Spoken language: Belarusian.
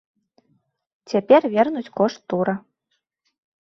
Цяпер вернуць кошт тура.